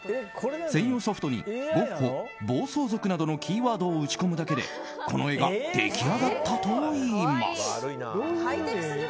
専用ソフトに「ゴッホ」、「暴走族」などのキーワードを打ち込むだけでこの絵が出来上がったといいます。